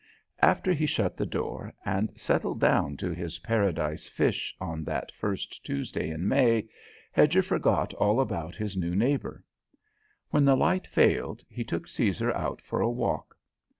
After he shut the door and settled down to his paradise fish on that first Tuesday in May, Hedger forgot all about his new neighbour. When the light failed, he took Caesar out for a walk.